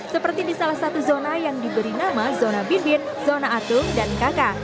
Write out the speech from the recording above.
seperti di salah satu zona yang diberi nama zona bimbin zona atung dan kk